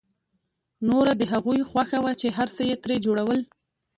نوره د هغوی خوښه وه چې هر څه يې ترې جوړول.